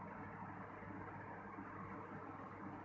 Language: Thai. แต่ว่าจะเป็นแบบนี้